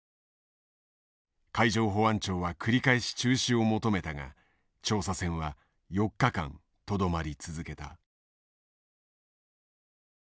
海上保安庁は繰り返し中止を求めたが調査船は４日間とどまり続けた。